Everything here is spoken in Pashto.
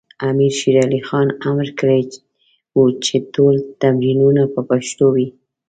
امیر شیر علی خان امر کړی و چې ټول تمرینونه په پښتو وي.